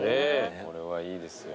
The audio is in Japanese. これはいいですよ。